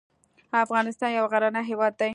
افغانستان يو غرنی هېواد دی.